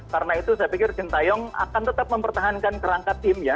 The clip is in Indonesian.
karena itu saya pikir sintayong akan tetap mempertahankan kerangka tim ya